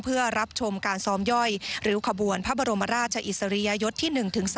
เพื่อรับชมการซ้อมย่อยริ้วขบวนพระบรมราชอิสริยยศที่๑๓